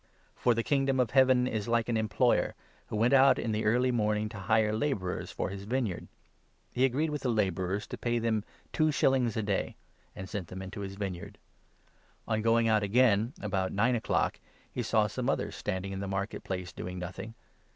For the Kingdom of Heaven is like an em i ployer who went out in the early morning to hire Parable labourers for his vineyard. He agreed with the 2 OT tnc ._•".».|.• m Labourer* labourers to pay them two shillings a day, and in the sent them into his vineyard. On going out 3 vineyard. aga;n( about nine o'clock, he saw some others standing in the market place, doing nothing.